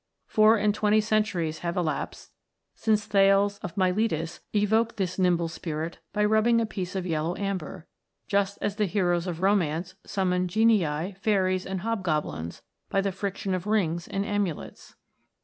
Four and twenty centuries have elapsed since Thales of Miletus evoked this nimble Spirit by rubbing a piece of yellow amber ; just as the heroes of Romance summoned genii, fairies, and hobgoblins, by the friction of rings and amulets.